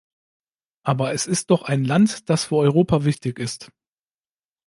Aber es ist doch ein Land, das für Europa wichtig ist.